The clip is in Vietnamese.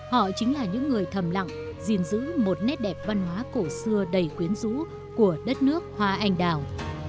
họ chính là những người thầm lặng gìn giữ một nét đẹp văn hóa cổ xưa đầy quyến rũ của đất nước hoa anh đào